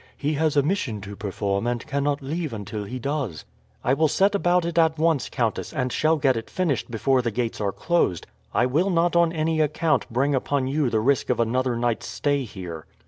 "He has a mission to perform, and cannot leave until he does." "I will set about it at once, countess, and shall get it finished before the gates are closed. I will not on any account bring upon you the risk of another night's stay here."